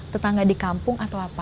tetangga di kampung atau apa